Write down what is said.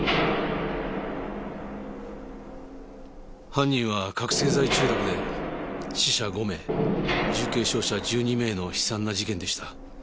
犯人は覚醒剤中毒で死者５名重軽傷者１２名の悲惨な事件でした。